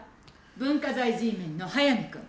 文化財Ｇメンの早水くん。